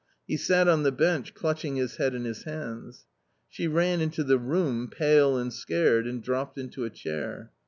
He sat on the bench clutching his head in his hands. She ran into the room pale and scared, and dropped into a chair.